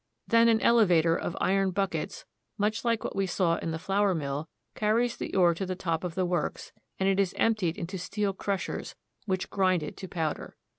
Then an elevator of iron buckets, much like that we saw in the flour mill, carries the ore to the top of the works, and it is emptied into steel crushers, which grind it to powder.